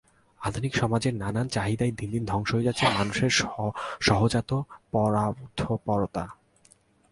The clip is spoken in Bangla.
আধুনিক সমাজের নানান চাহিদায় দিন দিন ধ্বংস হয়ে যাচ্ছে মানুষের সহজাত পরার্থপরতা।